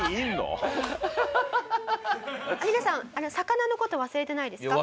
皆さん魚の事忘れてないですか？